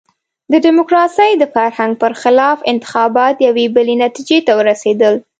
د ډیموکراسۍ د فرهنګ برخلاف انتخابات یوې بلې نتیجې ته ورسېدل.